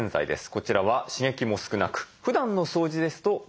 こちらは刺激も少なくふだんの掃除ですとこれで十分です。